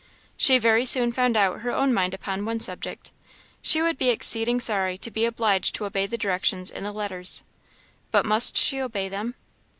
She very soon found out her own mind upon one subject she would be exceeding sorry to be obliged to obey the directions in the letters. But must she obey them?